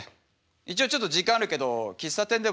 一応ちょっと時間あるけど喫茶店でも。